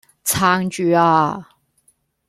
撐住呀